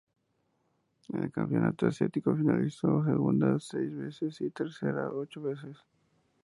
En el Campeonato Asiático finalizó segunda seis veces y tercera ocho veces.